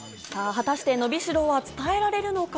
果たして、のびしろは伝えられるのか？